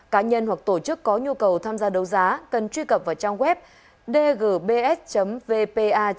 cá nhân hoặc tổ chức có nhu cầu tham gia đấu giá cần truy cập vào trang web dgbs vpa